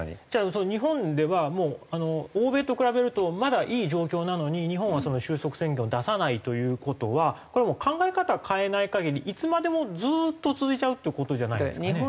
じゃあ日本ではもう欧米と比べるとまだいい状況なのに日本は収束宣言を出さないという事はこれはもう考え方変えない限りいつまでもずーっと続いちゃうっていう事じゃないんですかね？